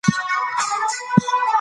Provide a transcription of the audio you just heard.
په ټولنه کي بايد مثبت بدلون راسي.